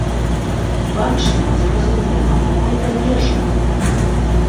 Бачна, зразумела, бо гэта вежа!